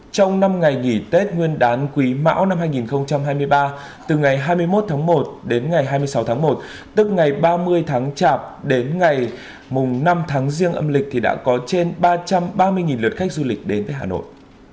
trong năm ngày nghỉ tết nguyên đán quý mão năm hai nghìn hai mươi ba từ ngày hai mươi một tháng một đến ngày hai mươi sáu tháng một tức ngày ba mươi tháng chạp đến ngày năm tháng riêng âm lịch thì đã có trên ba trăm ba mươi lượt khách du lịch đến với hà nội